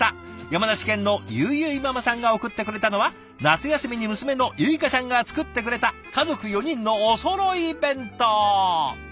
山梨県のゆいゆいママさんが送ってくれたのは夏休みに娘のゆいかちゃんが作ってくれた家族４人のおそろい弁当。